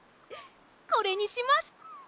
これにします！